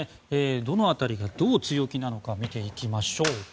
どの辺りがどう強気なのか見ていきましょう。